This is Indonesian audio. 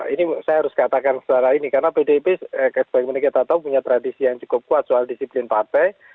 ini saya harus katakan secara ini karena pdip sebagaimana kita tahu punya tradisi yang cukup kuat soal disiplin partai